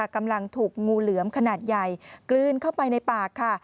กำลังถูกงูเหลือมขนาดใหญ่กลืนเข้าไปในปากค่ะ